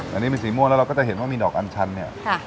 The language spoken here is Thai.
อันนี้มีสีม่วงแล้วเราก็จะเห็นว่ามีดอกอันชันเนี่ย